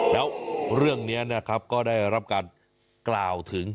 แล้วเรื่องนี้นะครับก็ได้รับการกล่าวถึง